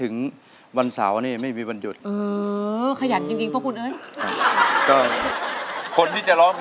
ถึงวันสาวนี้ไม่มีวันหยุดขยันจงต้อนแล้วตรงนี้จะร้อง